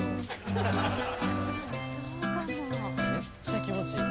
・めっちゃ気持ちいい。